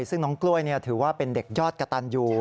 ซึ่งน้องกล้วยถือว่าเป็นเด็กยอดกระตันอยู่